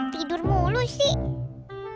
tidur mulu sih